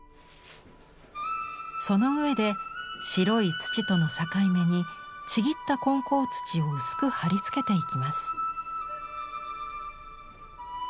その上で白い土との境目にちぎった混淆土を薄く貼り付けていきます。